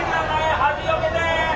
端よけて！